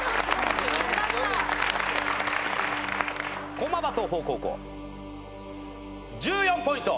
駒場東邦高校１４ポイント！